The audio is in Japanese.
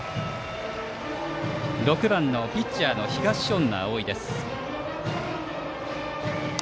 ６番のピッチャーの東恩納蒼。